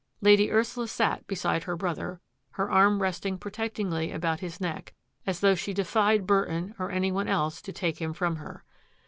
Lady Ursula sat beside her brother, her arm resting protectingly about his neck, as though she defied Burton or any one else to take him from her.